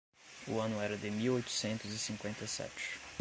o ano era de mil oitocentos e cinquenta e sete.